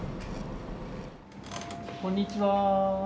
こんにちは。